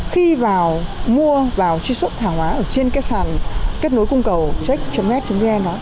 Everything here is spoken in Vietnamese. khi vào mua vào truy xuất hàng hóa trên các sàn kết nối cung cầu check net vn